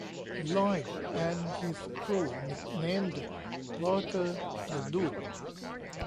Lloyd and his crew nicknamed Walter "The Dude".